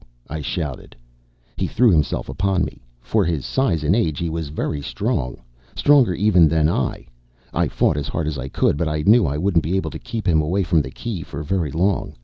I shouted. He threw himself upon me. For his size and age, he was very strong stronger, even, than I. I fought as hard as I could, but I knew I wouldn't be able to keep him away from the Key for very long.